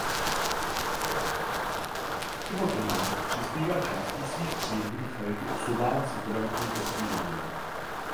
Ivo Toman přispívá částí svých příjmů na charitu osobám se zdravotním postižením.